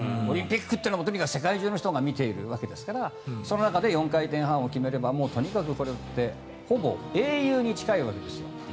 オリンピックはとにかく世界中の人が見ているわけですからその中で４回転半を決めればとにかくほぼ英雄に近いわけです。